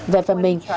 về phần mình